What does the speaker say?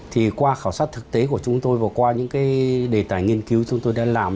thì qua khảo sát thực tế của chúng tôi và qua những cái đề tài nghiên cứu chúng tôi đã làm